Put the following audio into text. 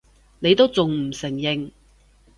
你都仲唔承認！